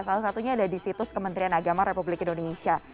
salah satunya ada di situs kementerian agama republik indonesia